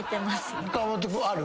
岡本君ある？